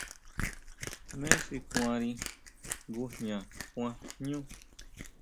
¿Jmé xi kuanri ngujña kuan jñú?